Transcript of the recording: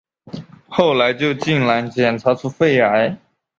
后来就竟然检查出肺癌